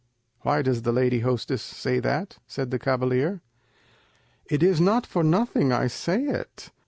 "Why does the lady hostess say that?" said the cavalier. "It is not for nothing I say it.